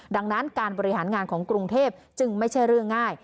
ดังนั้นการบริหารงานของกรุงเทพจึงไม่ใช่เรื่องง่าย